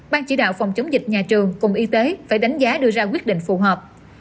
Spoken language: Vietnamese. ban chỉ đạo phòng chống dịch nhà trường cùng y tế phải đánh giá đưa ra quyết định phù hợp